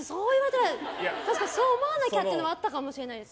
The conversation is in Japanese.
確かにそう思わなきゃってのはあったかもしれないです。